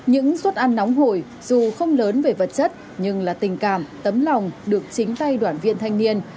những suất ăn nóng hồi dù không lớn về vật chất nhưng là tình cảm tấm lòng được chính tay đoàn viên thanh niên